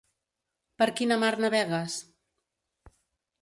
Per quina mar navegues?